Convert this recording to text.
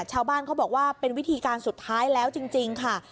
ชาวบ้านเขาบอกว่าเป็นวิธีการสุดท้ายแล้วจริงค่ะ